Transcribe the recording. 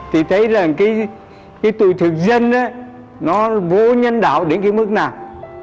thì thấy rằng cái tuổi thực dân nó vô nhân đạo đến cái mức nào